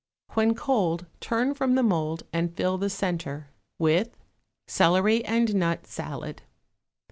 When cold turn from the mould and fill the centre with =CELERY AND NUT SALAD.